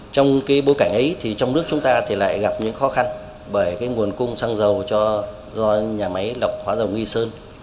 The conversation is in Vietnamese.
trong bối cảnh ấy trong nước chúng ta lại gặp những khó khăn bởi nguồn cung xăng dầu do nhà máy lọc hóa dầu nghi sơn